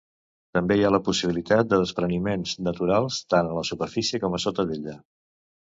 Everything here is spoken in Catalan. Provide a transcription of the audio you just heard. També hi ha la possibilitat de despreniments naturals tant en la superfície com sota d'ella.